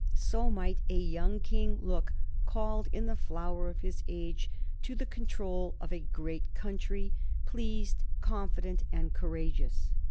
So might a young king look called in the flower of his age to the control of a great country, pleased, confident, and courageous.